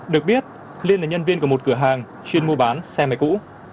được biết liên là nhân viên của một cửa hàng chuyên mua bán xe máy cũ